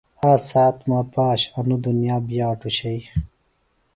اک ساعت مہ پش انوۡ دنیا بِیاٹوۡ شئی۔